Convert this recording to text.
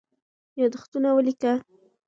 یادښتونه ولیکه.